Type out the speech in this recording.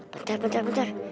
bentar bentar bentar